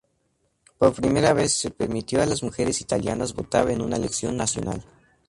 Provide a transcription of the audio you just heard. Por primera vez, se permitió a las mujeres italianas votar en una elección nacional.